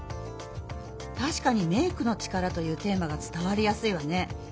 たしかに「メイクのチカラ」というテーマがつたわりやすいわね。